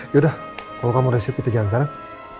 yaudah kalau kamu udah siap kita jalan sekarang